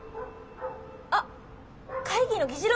あっ会議の議事録！